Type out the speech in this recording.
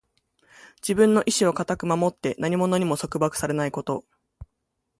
自分の意志を固く守って、何者にも束縛されないこと。